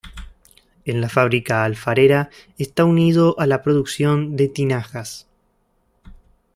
En la fábrica alfarera está unido a la producción de tinajas.